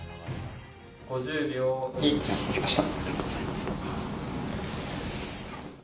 ５０秒、負けました。